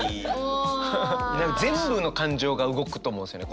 全部の感情が動くと思うんですよね